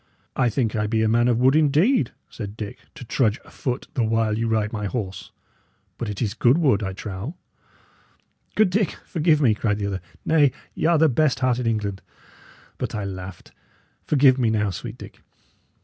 "I think I be a man of wood, indeed," said Dick, "to trudge afoot the while you ride my horse; but it is good wood, I trow." "Good Dick, forgive me," cried the other. "Nay, y' are the best heart in England; I but laughed. Forgive me now, sweet Dick."